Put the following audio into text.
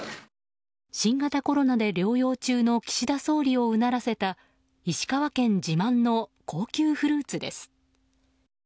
新型コロナで療養中の岸田総理をうならせた石川県自慢の高級フルーツです。